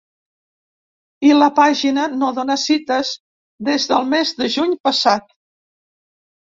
I la pàgina no dóna cites des del mes de juny passat.